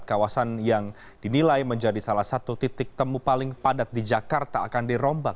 kawasan yang dinilai menjadi salah satu titik temu paling padat di jakarta akan dirombak